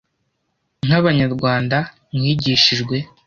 nk’abanyarwanda mwigishijwe